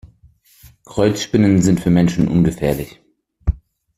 Kreuzspinnen sind für Menschen ungefährlich.